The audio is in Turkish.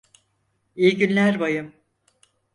İyi günler bayım.